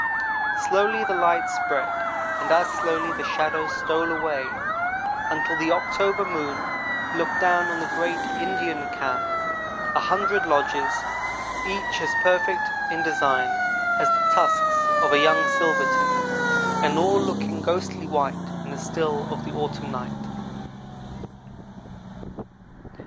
Slowly the light spread and as slowly the shadows stole away until the October moon looked down on the great Indian camp a hundred lodges, each as perfect in design as the tusks of a young silver tip, and all looking ghostly white in the still of the autumn night.